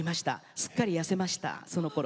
すっかり痩せましたそのころは。